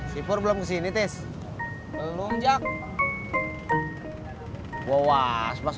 sebuah aspek jadi seluruh